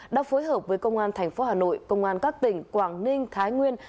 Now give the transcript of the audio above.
đã phối hợp với công an thành phố hà nội công an các tỉnh quảng ninh thái nguyên